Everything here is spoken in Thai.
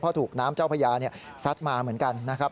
เพราะถูกน้ำเจ้าพญาซัดมาเหมือนกันนะครับ